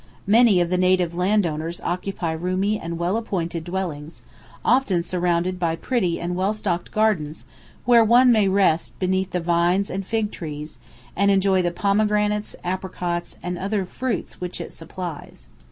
Many of the native landowners occupy roomy and well appointed dwellings, often surrounded by pretty and well stocked gardens, where one may rest beneath the vines and fig trees, and enjoy the pomegranates, apricots, and other fruits which it supplies.